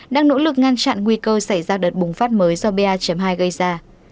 đang nỗ lực ngăn chặn nguy cơ xảy ra đợt bùng phát mới do ba hai gây ra